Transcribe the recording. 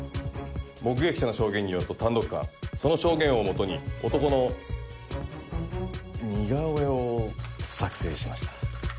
目撃者の証言によると単独犯その証言を基に男の似顔絵を作成しました。